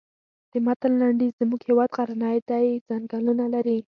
د متن لنډیز زموږ هېواد غرنی دی ځنګلونه لري.